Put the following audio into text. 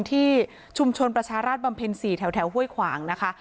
ที่ชุมชนประชาราชบำเพ็ญ๔แถวห้วยขวางนะคะ